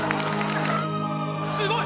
すごい！